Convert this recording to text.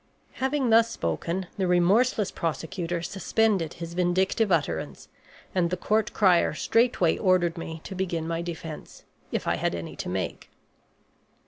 Having thus spoken, the remorseless prosecutor suspended his vindictive utterance, and the court crier straightway ordered me to begin my defense, if I had any to make.